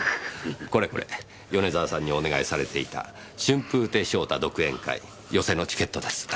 これこれ米沢さんにお願いされていた『春風亭昇太独演会』寄席のチケットです。